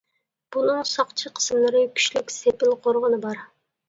بۇنىڭ ساقچى قىسىملىرى، كۈچلۈك سېپىل قورغىنى بار.